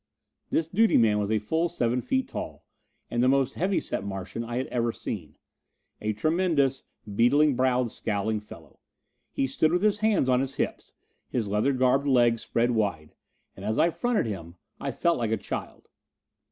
This duty man was a full seven feet tall, and the most heavy set Martian I had ever seen. A tremendous, beetling browed, scowling fellow. He stood with hands on his hips, his leather garbed legs spread wide; and as I fronted him I felt like a child.